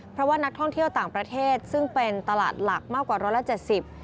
เพราะว่านักท่องเที่ยวต่างประเทศซึ่งเป็นตลาดหลักมากกว่าร้อยละเจ็ดสิบ